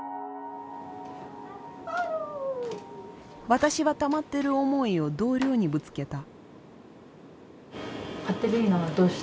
私はたまっている思いを同僚にぶつけた。